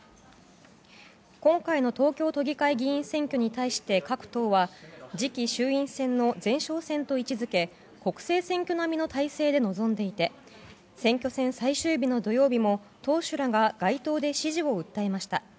今回の東京都議会議員選挙に対して各党は次期衆院選の前哨戦と位置づけ国政選挙並みの態勢で臨んでいて選挙戦最終日の土曜日も党首らが街頭で支持を訴えました。